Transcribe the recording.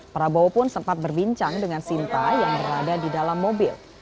prabowo pun sempat berbincang dengan sinta yang berada di dalam mobil